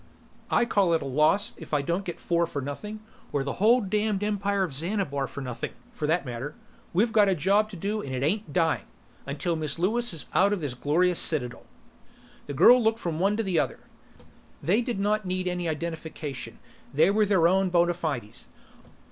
"I call it a loss if I don't get four for nothing or the whole damned Empire of Xanabar for nothing, for that matter. We've a job to do and it ain't dying until Miss Lewis is out of this glorious citadel." The girl looked from one to the other. They did not need any identification; they were their own bona fides.